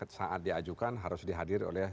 saat diajukan harus dihadiri oleh